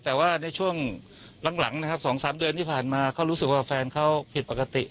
แต่ว่าในช่วงหลังนะครับ๒๓เดือนที่ผ่านมาเขารู้สึกว่าแฟนเขาผิดปกติ